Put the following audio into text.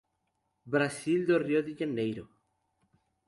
Brasil do Rio de Janeiro".